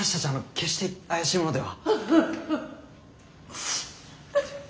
決して怪しい者では。